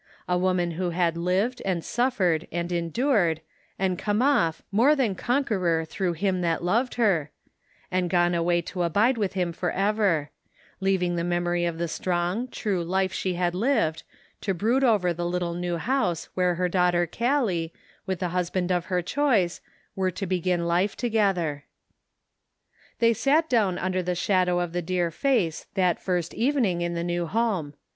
A wo man who had lived, and suffered and endured, and come off " more than conqueror through Him that loved" her, and gone away to abide with him forever ; leaving the memory of the strong, true life she had lived, to brood over the little new house where her daughter Callie, with the husband of her choice, were to begin life together. They sat down under the shadow of the dear face that first evening in the new home.